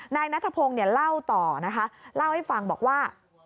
นายนัทพงศ์เนี่ยเล่าต่อนะคะเล่าให้ฟังบอกว่า